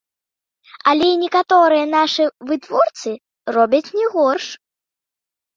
Але і некаторыя нашы вытворцы робяць не горш.